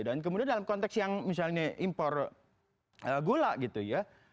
dan kemudian dalam konteks yang misalnya impor gula gitu ya